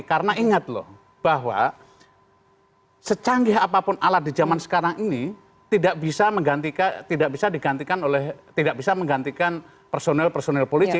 karena ingat loh bahwa secanggih apapun alat di zaman sekarang ini tidak bisa menggantikan personil personil politik